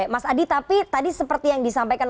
mas adi tapi tadi seperti yang disampaikan